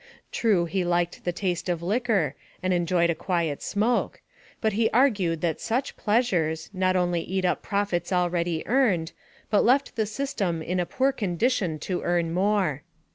True, he liked the taste of liquor, and enjoyed a quiet smoke, but he argued that such pleasures, not only eat up profits already earned, but left the system in a poor condition to earn more.